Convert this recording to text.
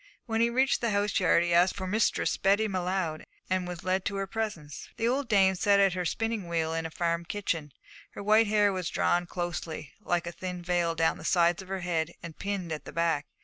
When he reached the house yard he asked for Mistress Betty M'Leod, and was led to her presence. The old dame sat at her spinning wheel in a farm kitchen. Her white hair was drawn closely, like a thin veil, down the sides of her head and pinned at the back.